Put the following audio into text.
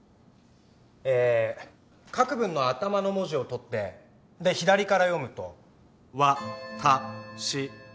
えー各文の頭の文字を取って左から読むと。